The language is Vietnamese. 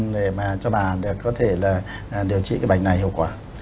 để cho bạn có thể điều trị bệnh này hiệu quả